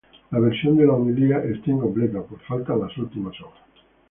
La versión de la homilía está incompleta pues faltan las últimas hojas.